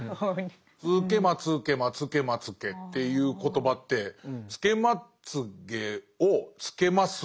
「つけまつけまつけまつけ」っていう言葉ってつけまつげをつけます